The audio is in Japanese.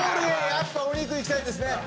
やっぱお肉いきたいんですね。